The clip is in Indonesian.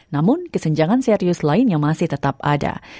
namun kesenjangan serius lain yang masih tetap ada